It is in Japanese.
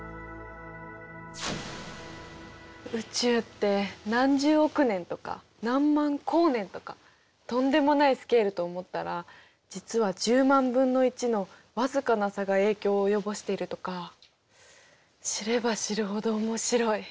宇宙って何十億年とか何万光年とかとんでもないスケールと思ったら実は１０万分の１のわずかな差が影響を及ぼしているとか知れば知るほど面白い。